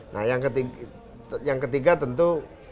nah yang ketiga tentu